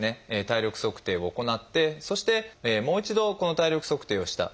体力測定を行ってそしてもう一度この体力測定をした。